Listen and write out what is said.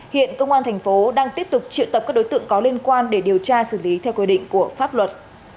hiện công an thành phố đang tiếp tục triệu tập các đối tượng có liên quan để điều tra xử lý theo quy định của pháp luật